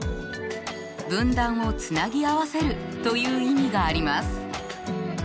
分断をつなぎ合わせるという意味があります。